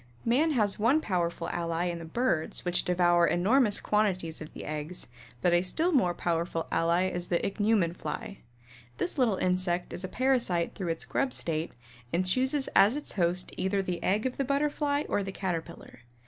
Man has one powerful ally in the birds which devour enormous quantities of these eggs, but a still more powerful ally is the Ichneumon Fly. This little insect is a parasite through its grub state and chooses as its host either the egg of the Butterfly or the Caterpillar.